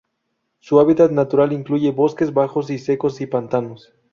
Su hábitat natural incluye bosques bajos y secos y pantanos.